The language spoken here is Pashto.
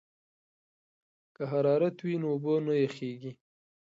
که حرارت وي نو اوبه نه یخیږي.